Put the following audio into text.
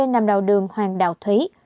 nằm đầu đường hoàng đạo thúy